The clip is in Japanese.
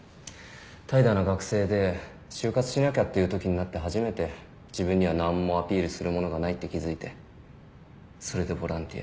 怠惰な学生で就活しなきゃっていうときになって初めて自分には何もアピールするものがないって気付いてそれでボランティア。